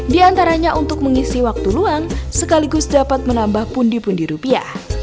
di antaranya untuk mengisi waktu luang sekaligus dapat menambah pundi pundi rupiah